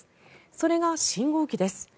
それが信号機です。